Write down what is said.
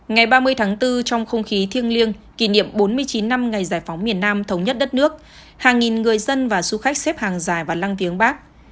ngày ba mươi tháng bốn trong không khí thiêng liêng kỷ niệm bốn mươi chín năm ngày giải phóng miền nam thống nhất đất nước hàng nghìn người dân và du khách xếp hàng dài vào lăng viếng bắc